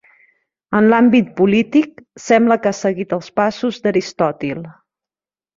En l'àmbit polític, sembla que ha seguit els passos d'Aristòtil.